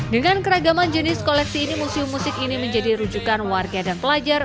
dengan keragaman jenis koleksi ini museum musik ini menjadi rujukan warga dan pelajar